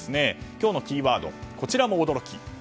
今日のキーワード、こちらも驚き。